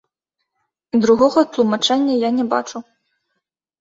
І другога тлумачэння я не бачу.